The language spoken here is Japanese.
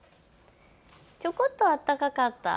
ちょこっと暖かかった。